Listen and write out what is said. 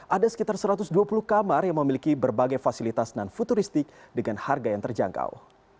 ada sekitar satu ratus dua puluh kamar yang memiliki berbagai fasilitas non futuristik dengan harga yang terjangkau